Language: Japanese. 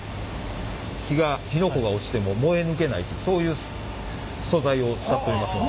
火が火の粉が落ちても燃え抜けないというそういう素材を使ってますので。